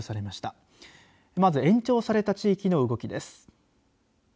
まず延長された地域の動きです。